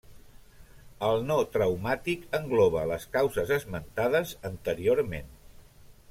El no traumàtic engloba les causes esmentades anteriorment.